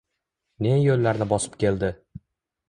Ne yoʼllarni bosib keldi